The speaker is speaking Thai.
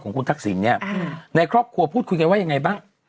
คุณทักษิณเนี่ยในครอบครัวพูดคุยกันว่ายังไงบ้าง